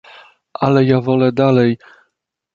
"Ale ja wolę dalej..."